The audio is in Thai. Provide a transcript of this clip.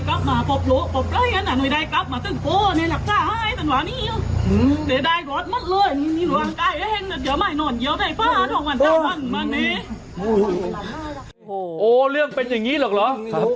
โโหเรื่องเป็นอย่างงี้หรอกหรอครับ